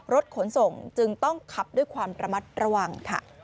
รถขนส่งจึงต้องขับด้วยความระมัดระวังค่ะ